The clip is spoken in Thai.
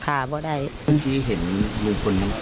กระปัดโดดมือ